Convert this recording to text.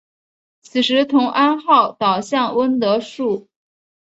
此时同安号倒向温树德。